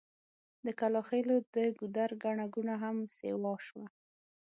د کلاخېلو د ګودر ګڼه ګوڼه هم سيوا شوه.